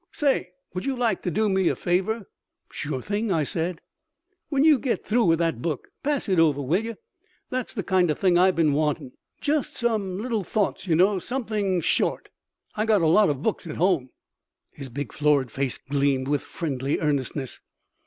"Say, would you like to do me a favor?" "Sure thing," I said. "When you get through with that book, pass it over, will you? That's the kind of thing I've been wanting. Just some little thoughts, you know, something short. I've got a lot of books at home." His big florid face gleamed with friendly earnestness.